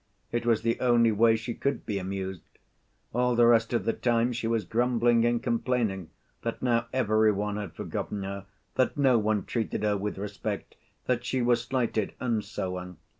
It was the only way she could be amused; all the rest of the time she was grumbling and complaining that now every one had forgotten her, that no one treated her with respect, that she was slighted, and so on.